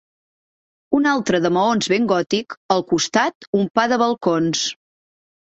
Un altre de maons ben gòtic al costat un pa de balcons